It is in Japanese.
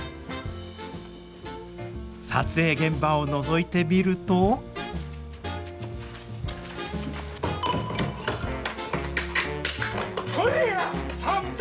撮影現場をのぞいてみるとこりゃあ算太！